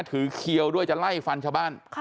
ถือเคียวด้วยจะไล่ฟันพอบ้าน